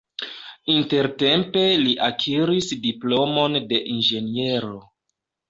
Intertempe li akiris diplomon de inĝeniero.